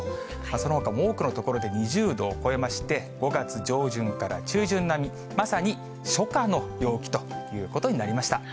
そのほかも多くの所で２０度を超えまして、５月上旬から中旬並み、まさに初夏の陽気ということになりました。